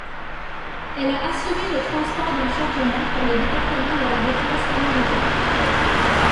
Elle a assuré le transport d'un chargement pour le département de la défense américain.